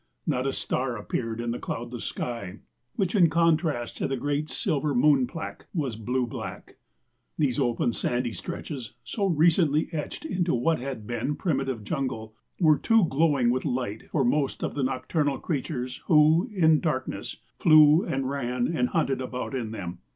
Not a star appeared in the cloudless sky, which, in contrast to the great silver moon plaque, was blue black. These open sandy stretches, so recently etched into what had been primitive jungle, were too glowing with light for most of the nocturnal creatures who, in darkness, flew and ran and hunted about in them.